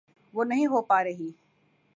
وہ نہیں ہو پا رہی۔